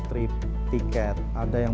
trip tiket ada yang